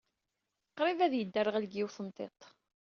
Qrib yedderɣel deg yiwet n tiṭ.